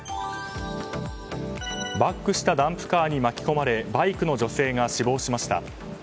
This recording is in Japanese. バックしたダンプカーに巻き込まれバイクの女性が死亡しました。